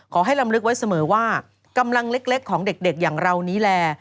ลำลึกไว้เสมอว่ากำลังเล็กของเด็กอย่างเรานี้แหละ